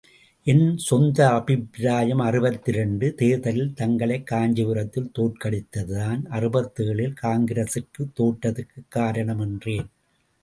என் சொந்த அபிப்பிராயம் அறுபத்திரண்டு தேர்தலில் தங்களைக் காஞ்சீபுரத்தில் தோற்கடித்ததுதான் அறுபத்தேழு ல் காங்கிரஸ்தோற்றதற்குக் காரணம், என்றேன்.